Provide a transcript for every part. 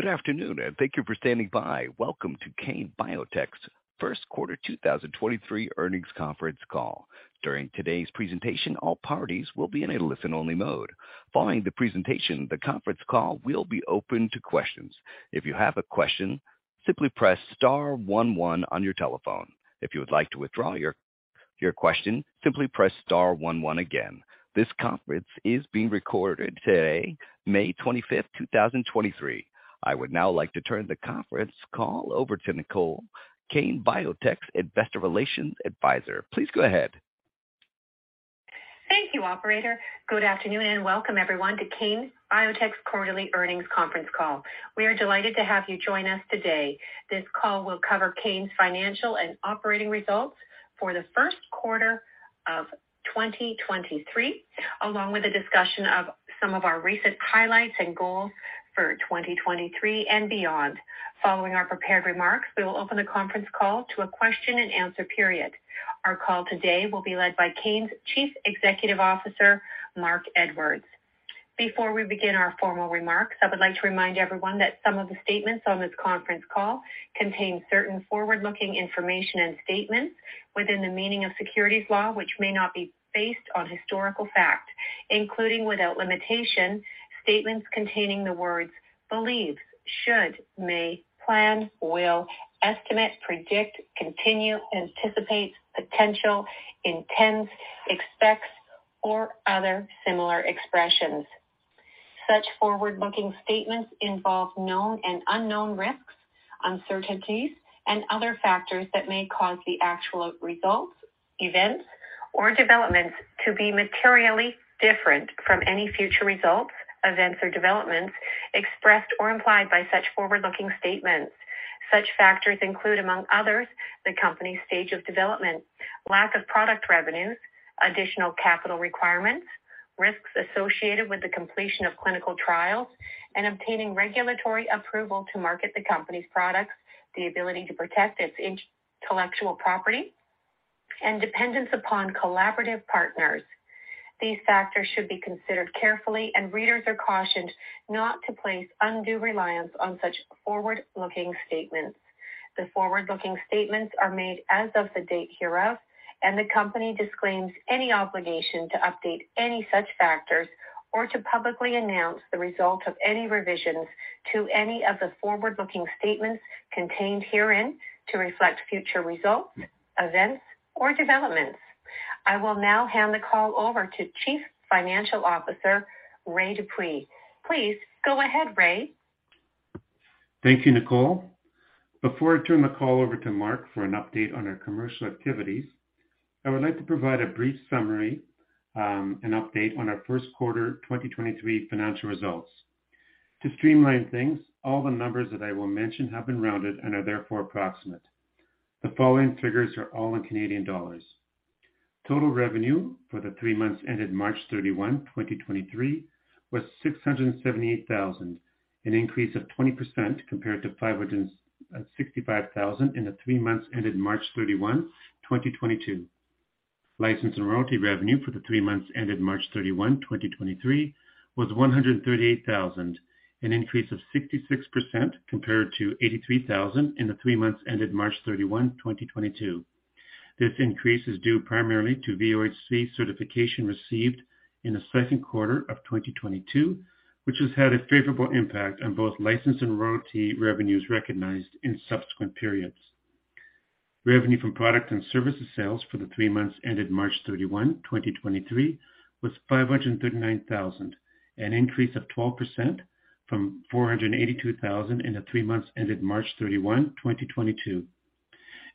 Good afternoon. Thank you for standing by. Welcome to Kane Biotech's first quarter 2023 earnings conference call. During today's presentation, all parties will be in a listen-only mode. Following the presentation, the conference call will be open to questions. If you have a question, simply press star one one on your telephone. If you would like to withdraw your question, simply press star one one again. This conference is being recorded today, May 25th, 2023. I would now like to turn the conference call over to Nicole, Kane Biotech's investor relations advisor. Please go ahead. Thank you, operator. Good afternoon, and welcome everyone to Kane Biotech's quarterly earnings conference call. We are delighted to have you join us today. This call will cover Kane's financial and operating results for the first quarter of 2023, along with a discussion of some of our recent highlights and goals for 2023 and beyond. Following our prepared remarks, we will open the conference call to a question-and-answer period. Our call today will be led by Kane's Chief Executive Officer, Marc Edwards. Before we begin our formal remarks, I would like to remind everyone that some of the statements on this conference call contain certain forward-looking information and statements within the meaning of securities law, which may not be based on historical fact, including without limitation, statements containing the words believes, should, may, plan, will, estimate, predict, continue, anticipate, potential, intends, expects, or other similar expressions. Such forward-looking statements involve known and unknown risks, uncertainties, and other factors that may cause the actual results, events, or developments to be materially different from any future results, events, or developments expressed or implied by such forward-looking statements. Such factors include, among others, the company's stage of development, lack of product revenues, additional capital requirements, risks associated with the completion of clinical trials, and obtaining regulatory approval to market the company's products, the ability to protect its intellectual property, and dependence upon collaborative partners. These factors should be considered carefully. Readers are cautioned not to place undue reliance on such forward-looking statements. The forward-looking statements are made as of the date hereof. The company disclaims any obligation to update any such factors or to publicly announce the result of any revisions to any of the forward-looking statements contained herein to reflect future results, events, or developments. I will now hand the call over to Chief Financial Officer, Ray Dupuis. Please go ahead, Ray. Thank you, Nicole. Before I turn the call over to Marc for an update on our commercial activities, I would like to provide a brief summary and update on our first quarter 2023 financial results. To streamline things, all the numbers that I will mention have been rounded and are therefore approximate. The following figures are all in Canadian dollars. Total revenue for the three months ended March 31, 2023, was 678,000, an increase of 20% compared to 565,000 in the three months ended March 31, 2022. License and royalty revenue for the three months ended March 31, 2023, was 138,000, an increase of 66% compared to 83,000 in the three months ended March 31, 2022. This increase is due primarily to VOHC certification received in the second quarter of 2022, which has had a favorable impact on both license and royalty revenues recognized in subsequent periods. Revenue from product and services sales for the three months ended March 31, 2023, was 539,000, an increase of 12% from 482,000 in the three months ended March 31, 2022.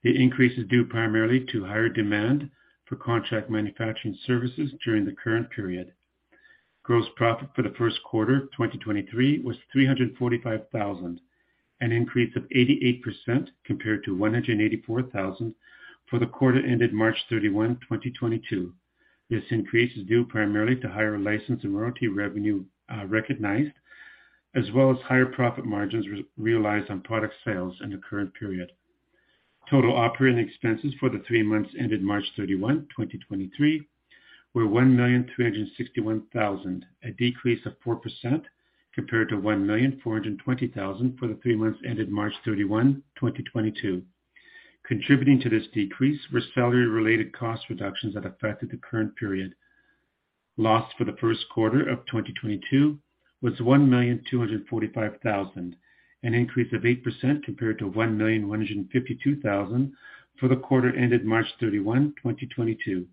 The increase is due primarily to higher demand for contract manufacturing services during the current period. Gross profit for the first quarter, 2023, was 345,000, an increase of 88% compared to 184,000 for the quarter ended March 31, 2022. This increase is due primarily to higher license and royalty revenue recognized, as well as higher profit margins realized on product sales in the current period. Total operating expenses for the three months ended March 31, 2023, were 1,361,000, a decrease of 4% compared to 1,420,000 for the three months ended March 31, 2022. Contributing to this decrease was salary-related cost reductions that affected the current period. Loss for the 1st quarter of 2022 was 1,245,000, an increase of 8% compared to 1,152,000 for the quarter ended March 31, 2022.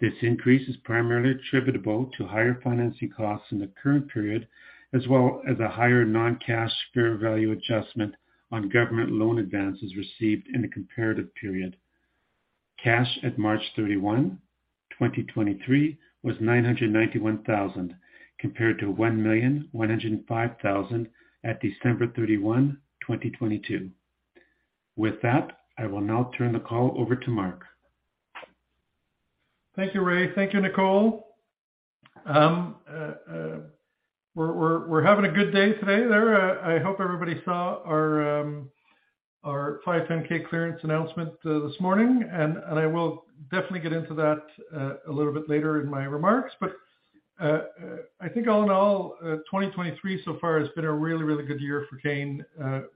This increase is primarily attributable to higher financing costs in the current period, as well as a higher non-cash fair value adjustment on government loan advances received in the comparative period. Cash at March 31, 2023, was 991,000, compared to 1,105,000 at December 31, 2022. With that, I will now turn the call over to Marc. Thank you, Ray. Thank you, Nicole. We're having a good day today there. I hope everybody saw our 510(k) clearance announcement this morning. I will definitely get into that a little bit later in my remarks. I think all in all, 2023 so far has been a really, really good year for Kane,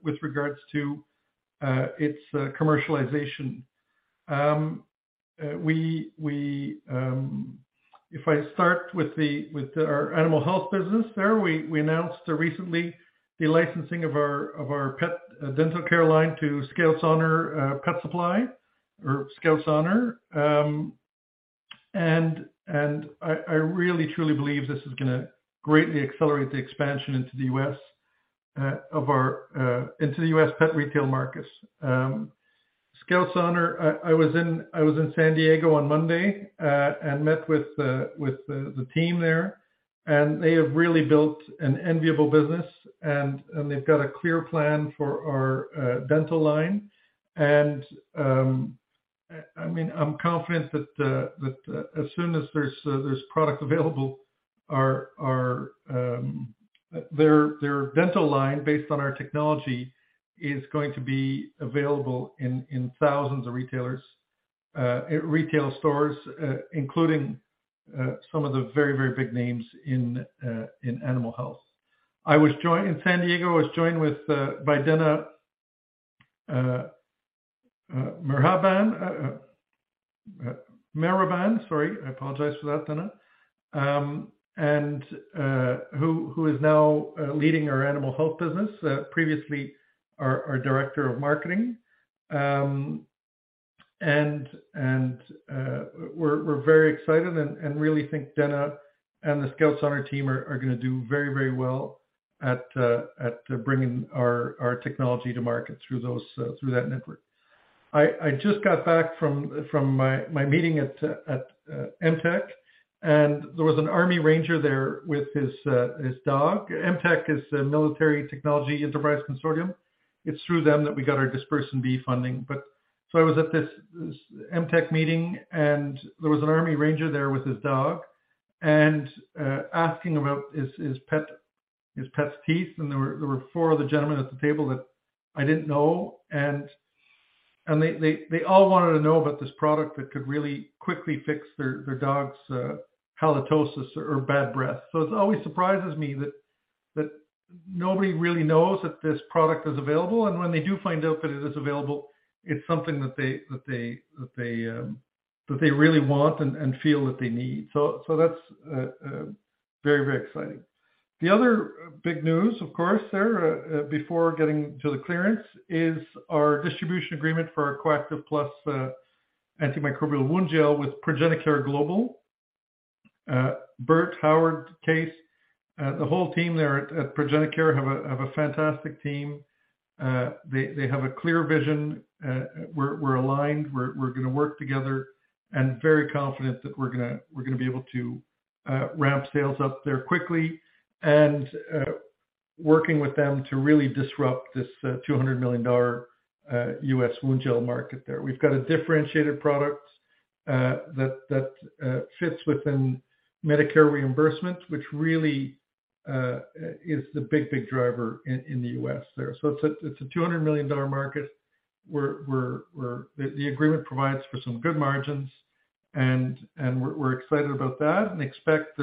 with regards to its commercialization. If I start with our animal health business there, we announced recently the licensing of our pet dental care line to Skout's Honor Pet Supply Company or Skout's Honor. I really, truly believe this is gonna greatly accelerate the expansion into the U.S. of our into the U.S. pet retail markets. Skout's Honor, I was in San Diego on Monday, met with the team there, and they have really built an enviable business, and they've got a clear plan for our dental line. I mean, I'm confident that as soon as there's product available, our... Their dental line, based on our technology, is going to be available in thousands of retailers, retail stores, including some of the very big names in animal health. In San Diego, I was joined with by Dena Mehraban, sorry. I apologize for that, Dena. Who is now leading our animal health business, previously our director of marketing. We're very excited and really think Dena and the Skout's Honor team are gonna do very, very well at bringing our technology to market through those through that network. I just got back from my meeting at MTEC, and there was an Army Ranger there with his dog. MTEC is a Medical Technology Enterprise Consortium. It's through them that we got our DispersinB funding. I was at this MTEC meeting, and there was an Army Ranger there with his dog, asking about his pet's teeth, and there were four other gentlemen at the table that I didn't know. They all wanted to know about this product that could really quickly fix their dog's halitosis or bad breath. It always surprises me that nobody really knows that this product is available, and when they do find out that it is available, it's something that they really want and feel that they need. That's very exciting. The other big news, of course, before getting to the clearance, is our distribution agreement for our coactiv+ antimicrobial wound gel with ProgenaCare Global. Bert, Howard, Case, the whole team there at ProgenaCare have a fantastic team. They have a clear vision. We're aligned. We're gonna work together. Very confident that we're gonna be able to ramp sales up there quickly. Working with them to really disrupt this $200 million U.S. wound gel market there. We've got a differentiated product that fits within Medicare reimbursement, which really is the big driver in the U.S. there. It's a $200 million market, where the agreement provides for some good margins, and we're excited about that and expect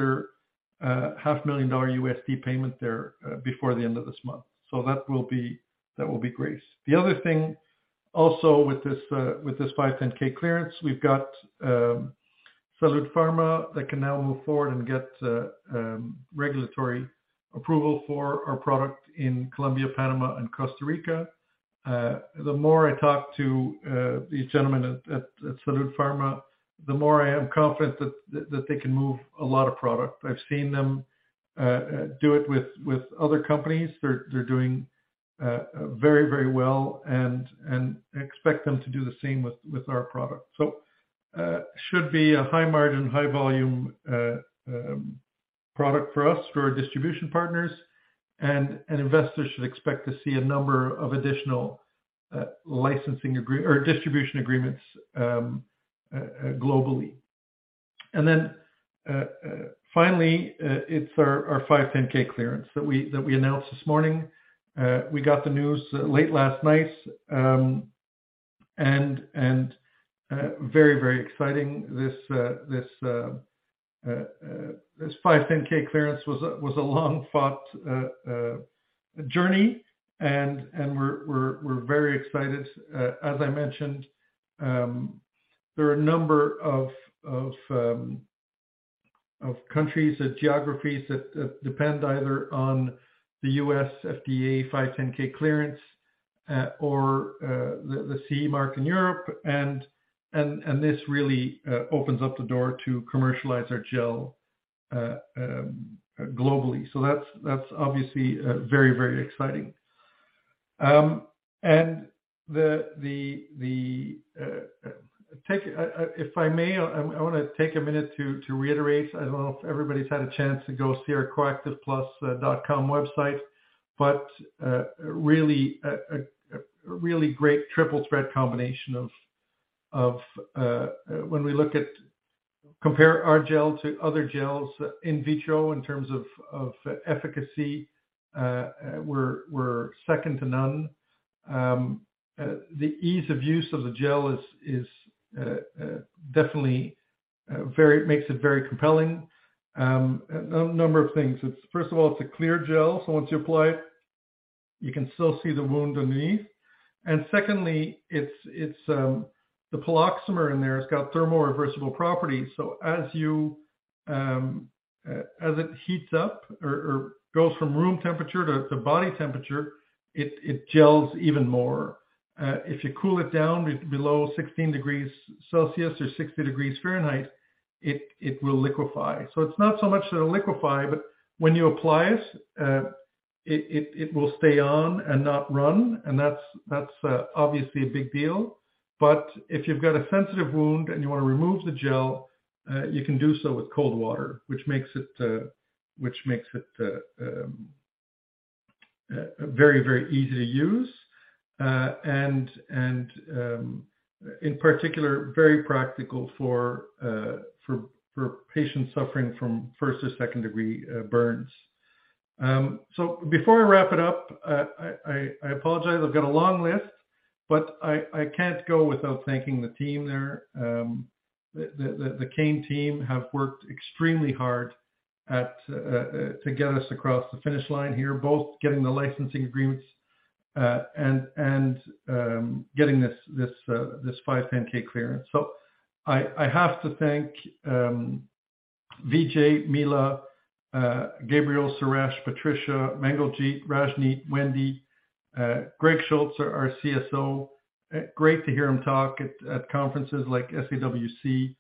their $500,000 payment there before the end of this month. That will be great. The other thing also with this, with this 510(k) clearance, we've got SaludPharma that can now move forward and get regulatory approval for our product in Colombia, Panama, and Costa Rica. The more I talk to the gentlemen at Salud Pharma, the more I am confident that they can move a lot of product. I've seen them do it with other companies. They're doing very, very well and expect them to do the same with our product. Should be a high margin, high volume, product for us, for our distribution partners, and an investor should expect to see a number of additional licensing or distribution agreements globally. Finally, it's our 510(k) clearance that we announced this morning. We got the news late last night, and very, very exciting. This 510(k) clearance was a long fought journey, and we're very excited. As I mentioned, there are a number of countries and geographies that depend either on the U.S. FDA 510(k) clearance or the CE mark in Europe. This really opens up the door to commercialize our gel globally. That's obviously very, very exciting. If I may, I want to take a minute to reiterate. I don't know if everybody's had a chance to go see our coactivplus.com website, but really a really great triple threat combination of when we look at compare our gel to other gels in vitro in terms of efficacy, we're second to none. The ease of use of the gel is definitely very makes it very compelling. A number of things. It's, first of all, it's a clear gel, so once you apply it, you can still see the wound underneath. And secondly, it's the poloxamer in there has got thermo reversible properties. So as you as it heats up or goes from room temperature to body temperature, it gels even more. If you cool it down below 16 degrees Celsius or 60 degrees Fahrenheit, it will liquefy. It's not so much that it'll liquefy, but when you apply it will stay on and not run, and that's obviously a big deal. If you've got a sensitive wound and you want to remove the gel, you can do so with cold water, which makes it very easy to use. In particular, very practical for patients suffering from first or second-degree burns. Before I wrap it up, I apologize. I've got a long list, but I can't go without thanking the team there. The Kane team have worked extremely hard to get us across the finish line here, both getting the licensing agreements and getting this 510(k) clearance. I have to thank Vijay, Mila, Gabriel, Suresh, Patricia, Mangaljit, Rajni, Wendy, Greg Schultz, our CSO. Great to hear him talk at conferences like SAWC.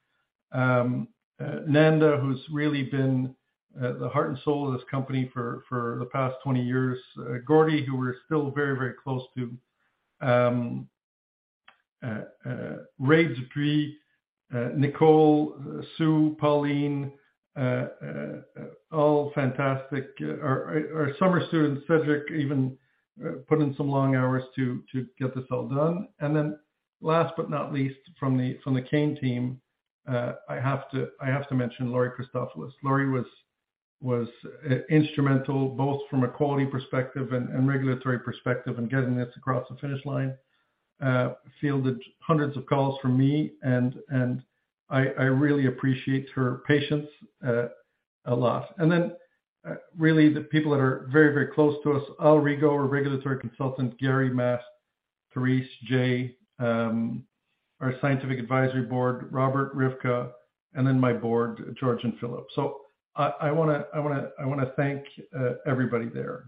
Nanda, who's really been the heart and soul of this company for the past 20 years. Gordy, who we're still very close to. Ray Dupuis, Nicole, Sue, Pauline, all fantastic. Our summer students, Frederick, even, put in some long hours to get this all done. Last but not least, from the Kane team, I have to mention Lori Christofalos. Lori was instrumental, both from a quality perspective and regulatory perspective, in getting this across the finish line. Fielded hundreds of calls from me, and I really appreciate her patience a lot. Really, the people that are very, very close to us, Al Rigo, our regulatory consultant, Gary Mast, Therese, Jay, our scientific advisory board, Robert Rivka, and then my board, George and Philip. I wanna thank everybody there.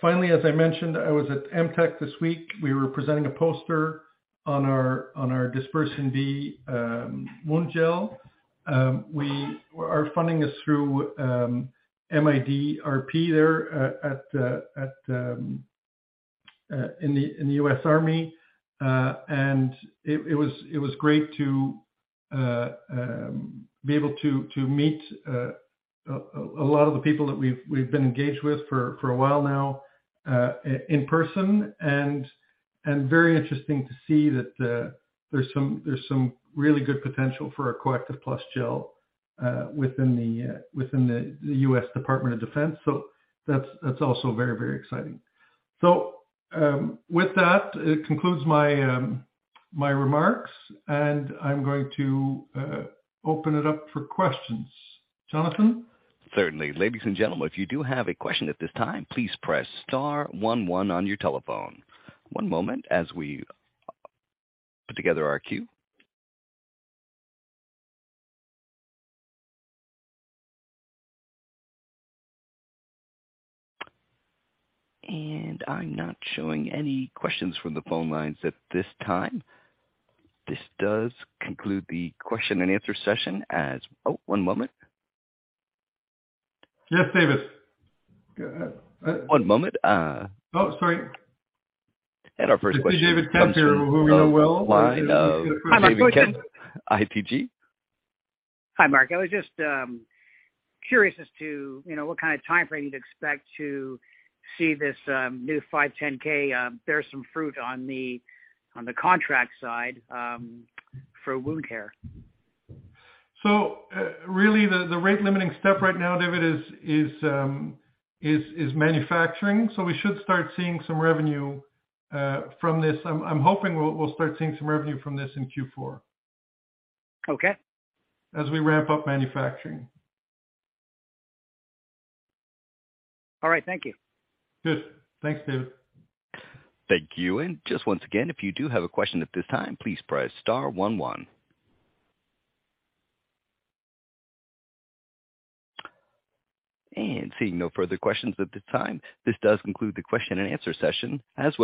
Finally, as I mentioned, I was at MTEC this week. We were presenting a poster on our DispersinB wound gel. Our funding is through MIDRP there in the U.S. Army. It was great to be able to meet a lot of the people that we've been engaged with for a while now in person, and very interesting to see that there's some really good potential for our coactiv+ gel within the U.S. Department of Defense. That's also very exciting. With that, it concludes my remarks, and I'm going to open it up for questions. Jonathan? Certainly. Ladies and gentlemen, if you do have a question at this time, please press star one one on your telephone. One moment as we put together our queue. I'm not showing any questions from the phone lines at this time. This does conclude the question and answer session as... Oh, one moment. Yes, David. Go ahead. One moment, Oh, sorry. Our first question- It's David Kent here, who we know well. Line of David Kent, ITG. Hi, Mark. I was just curious as to, you know, what kind of timeframe to expect to see this new 510(k) bear some fruit on the, on the contract side, for wound care. Really, the rate-limiting step right now, David, is manufacturing. We should start seeing some revenue from this. I'm hoping we'll start seeing some revenue from this in Q4. Okay. As we ramp up manufacturing. All right. Thank you. Good. Thanks, David. Thank you. Just once again, if you do have a question at this time, please press star one one. Seeing no further questions at this time, this does conclude the question and answer session as well.